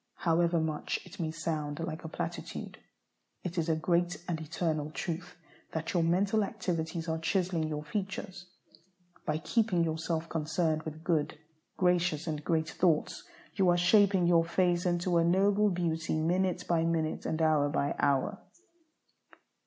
However much it may sound like a platitude, it is a great and eternal truth that your mental activities are chiselling your features. By keeping yourself concerned with good, gracious, and great thoughts, you are shaping your face into a noble beauty minute by minute, and hour by hour.